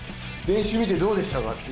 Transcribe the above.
練習見て、どうでしたか？